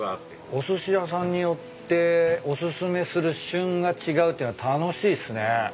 おすし屋さんによってお薦めする旬が違うっていうの楽しいっすね。